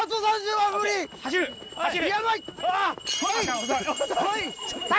はい！